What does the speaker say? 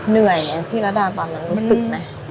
เหนื่อยไหมพี่ระดาตอนนั้นรู้สึกไหม